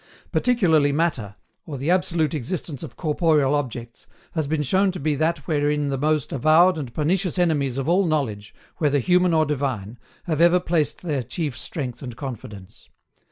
Particularly Matter, or the absolute existence of corporeal objects, has been shown to be that wherein the most avowed and pernicious enemies of all knowledge, whether human or divine, have ever placed their chief strength and confidence.